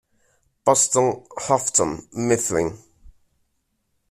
Boston, Houghton Mifflin.